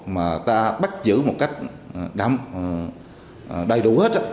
mà ta bắt giữ một cách đầy đủ hết